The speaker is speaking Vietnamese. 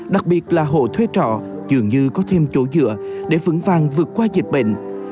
đặc biệt là hộ thuê trọ dường như có thêm chỗ dựa để vững vàng vượt qua dịch bệnh